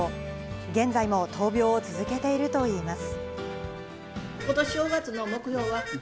現在も闘病を続けているといいます。